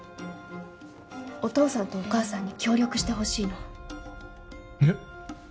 お父さんとお義母さんに協力してほしいのえっ！？